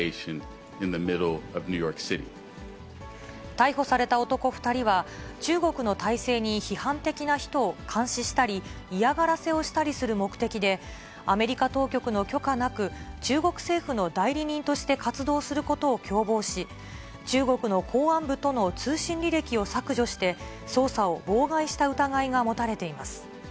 逮捕された男２人は、中国の体制に批判的な人を監視したり、嫌がらせをしたりする目的で、アメリカ当局の許可なく、中国政府の代理人として活動することを共謀し、中国の公安部との通信履歴を削除して、捜査を妨害した疑いが持たれています。